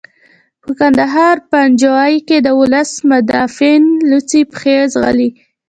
په کندهار پنجوايي کې د ولس مدافعان لوڅې پښې ځغلي.